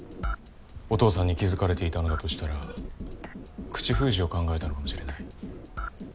お父さんに気付かれていたのだとしたら口封じを考えたのかもしれない。